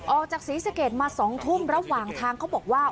ออกจากศรีสะเกดมา๒ทุ่มระหว่างทางเขาบอกว่า